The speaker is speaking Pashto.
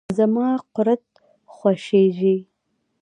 زما قورت خوشیزی.